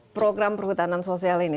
program perhutanan sosial ini